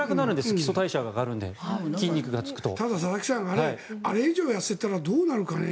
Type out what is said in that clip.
基礎代謝が上がるのでただ、佐々木さんあれ以上痩せたらどうなるかね。